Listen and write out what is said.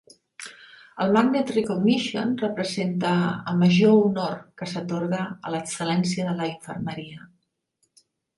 El Magnet Recognition representa el major honor que s'atorga a l'excel·lència de la infermeria.